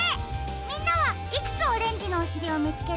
みんなはいくつオレンジのおしりをみつけられたかな？